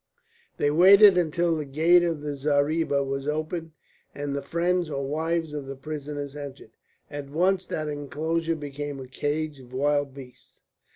They waited until the gate of the zareeba was opened and the friends or wives of the prisoners entered. At once that enclosure became a cage of wild beasts.